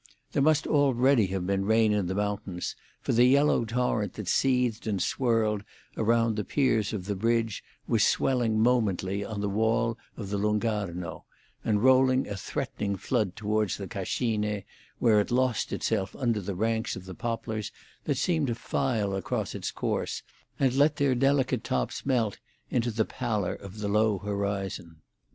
There must already have been rain in the mountains, for the yellow torrent that seethed and swirled around the piers of the bridge was swelling momently on the wall of the Lung' Arno, and rolling a threatening flood toward the Cascine, where it lost itself under the ranks of the poplars that seemed to file across its course, and let their delicate tops melt into the pallor of the low horizon.